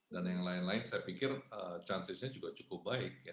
dan yang lain lain saya pikir chances nya juga cukup baik ya